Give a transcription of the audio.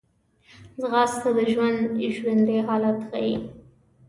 ځغاسته د ژوند ژوندي حالت ښيي